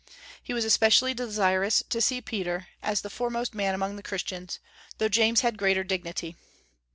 He was especially desirous to see Peter, as the foremost man among the Christians, though James had greater dignity.